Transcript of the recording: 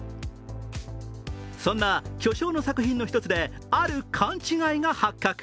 そんな巨匠の作品の一つである勘違いが発覚。